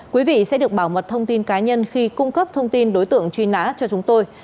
quý vị sẽ được bảo mật thông tin cá nhân khi cung cấp thông tin đối tượng truy nã cho chúng tôi